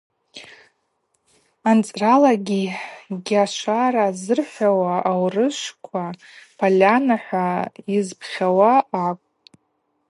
Анцӏралагьи гьашвара ззырхӏвауа аурышвква поляна-хӏва йызпхьауа акӏвпӏ.